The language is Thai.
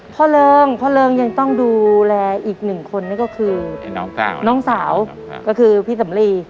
เริงพ่อเริงยังต้องดูแลอีกหนึ่งคนนั่นก็คือน้องสาวก็คือพี่สำลี